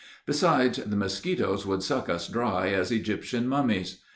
Besides, the mosquitos would suck us as dry as Egyptian mummies.